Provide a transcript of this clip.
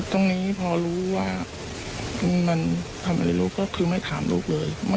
ตรงนี้พอรู้ว่ามันทำอะไรลูกก็คือไม่ถามลูกเลย